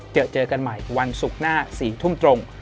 เจอเจอกันใหม่วันศุกร์หน้า๔ทุ่มตรง